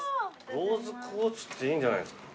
ローズクォーツっていいんじゃないすか。